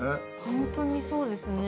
ホントにそうですね